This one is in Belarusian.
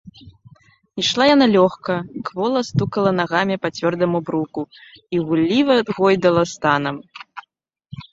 Ішла яна лёгка, квола стукала нагамі па цвёрдаму бруку і гулліва гойдала станам.